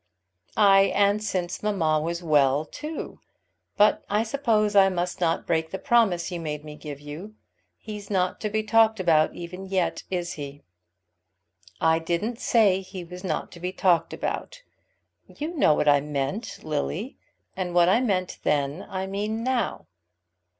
"Ay, and since mamma was well, too. But I suppose I must not break the promise you made me give you. He's not to be talked about even yet, is he?" "I didn't say he was not to be talked about. You know what I meant, Lily; and what I meant then, I mean now."